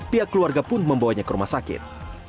pihak keluarga pun membawanya ke rumah sakit